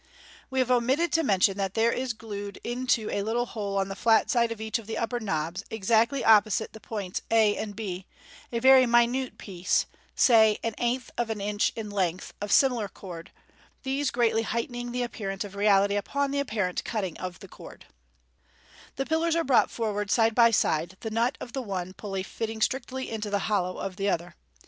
We have omitted to mention that there is glued into a little hole on the flat side of each of the upper knobs, exactly opposite the points a and b, a very minute piece, say an eighth of an inch in length, of similar cord j these greatly heightening the appearance of reality upon the apparent cutting of the cord, The pillars are brought forward side by side, the nut of the one pulley fitting strictly into the hollow of the other.